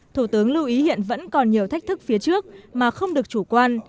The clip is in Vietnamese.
thủ tướng lưu ý hiện vẫn còn nhiều thách thức phía trước mà không được chủ quan